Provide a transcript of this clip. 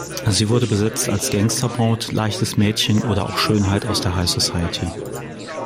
Sie wurde besetzt als Gangsterbraut, leichtes Mädchen oder auch Schönheit aus der High Society.